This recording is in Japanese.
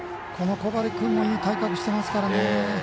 小針君もいい体格してますからね。